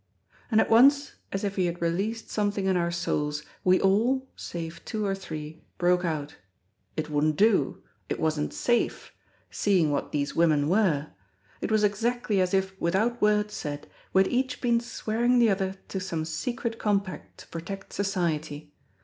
And at once, as if he had released something in our souls, we all (save two or three) broke out. It wouldn't do! It wasn't safe! Seeing what these women were! It was exactly as if, without word said, we had each been swearing the other to some secret compact to protect Society.